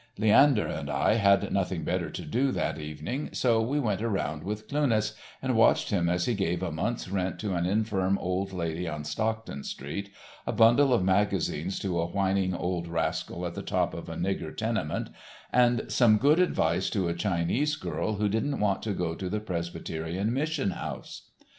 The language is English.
Leander and I had nothing better to do that evening so we went around with Cluness, and watched him as he gave a month's rent to an infirm old lady on Stockton street, a bundle of magazines to a whining old rascal at the top of a nigger tenement, and some good advice to a Chinese girl who didn't want to go to the Presbyterian Mission House.